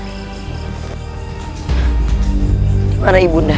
itu suara ibu undah